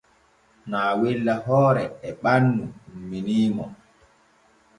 Naawella hoore e ɓannu ummanii mo.